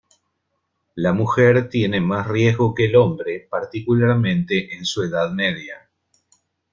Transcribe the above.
La mujer tiene más riesgo que el hombre, particularmente en su edad media.